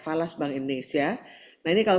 falas bank indonesia nah ini kalau